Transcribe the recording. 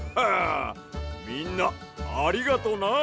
みんなありがとな。